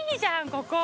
ここ。